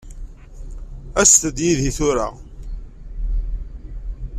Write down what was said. Aset-d yid-i tura.